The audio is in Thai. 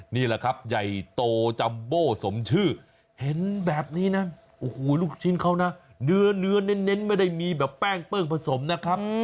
นี่แหละครับใหญ่โตจัมโบ้สมชื่อเห็นแบบนี้นะโอ้โหลูกชิ้นเขานะเนื้อเน้นไม่ได้มีแบบแป้งเปิ้งผสมนะครับ